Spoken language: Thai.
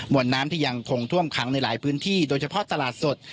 วนน้ำที่ยังคงท่วมขังในหลายพื้นที่โดยเฉพาะตลาดสด